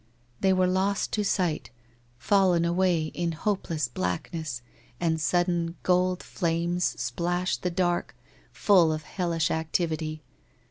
... They were lost to sight, fallen away in hopeless blackness, and sudden gold flames splashed the dark, full of hellish activity.